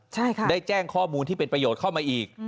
ใช่ค่ะได้แจ้งข้อมูลที่เป็นประโยชน์เข้ามาอีก